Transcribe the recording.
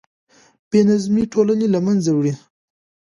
بې نظمي ټولنه له منځه وړي.